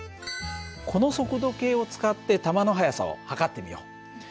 この速度計を使って弾の速さを測ってみよう。